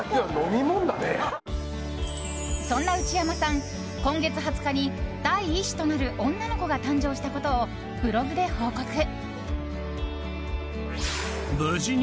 そんな内山さん、今月２０日に第１子となる女の子が誕生したことをブログで報告。